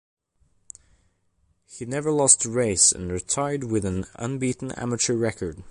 He never lost a race and retired with an unbeaten amateur record.